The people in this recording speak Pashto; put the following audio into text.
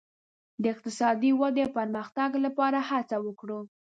د اقتصادي ودې او پرمختګ لپاره هڅه وکړو.